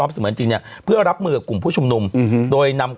เสมือนจริงเนี่ยเพื่อรับมือกับกลุ่มผู้ชุมนุมโดยนำ